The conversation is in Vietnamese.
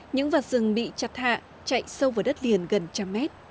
những vạt rừng bị chặt hạ chạy sâu vào đất liền gần trăm mét